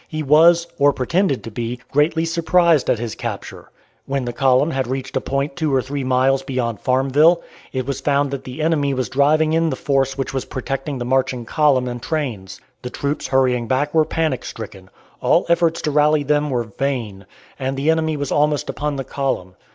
He was, or pretended to be, greatly surprised at his capture. When the column had reached a point two or three miles beyond Farmville, it was found that the enemy was driving in the force which was protecting the marching column and trains. The troops hurrying back were panic stricken; all efforts to rally them were vain, and the enemy was almost upon the column.